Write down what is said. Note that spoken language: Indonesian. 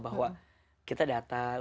bahwa kita datang